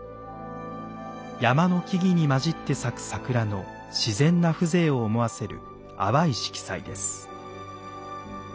山の木々に交じって咲く桜の自然な風情を思わせる淡い色彩です。